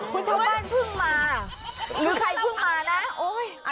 คุณชาวบ้านเพิ่งมาหรือใครเพิ่งมานะโอ้ย